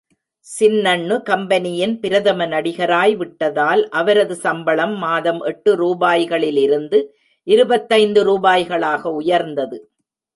சின்னண்ணு கம்பெனியின் பிரதம நடிகராய் விட்டதால் அவரது சம்பளம் மாதம் எட்டு ரூபாய்களிலிருந்து இருபத்தி ஐந்து ரூபாய்களாக உயர்ந்தது.